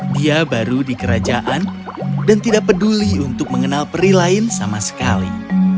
dia baru di kerajaan dan tidak peduli untuk mengenal peri lain sama sekali